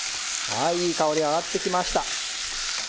ああいい香りが上がってきました。